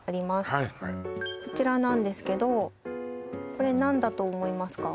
はいはいこちらなんですけどこれ何だと思いますか？